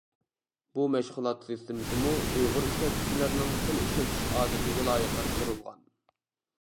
بۇ مەشغۇلات سىستېمىسىمۇ ئۇيغۇر ئىشلەتكۈچىلەرنىڭ تىل ئىشلىتىش ئادىتىگە لايىقلاشتۇرۇلغان.